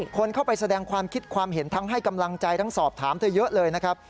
คนเข้าไปแสดงความคิดความเห็นทั้งให้กำลังใจทั้งสอบถามเธอเยอะเลยนะครับ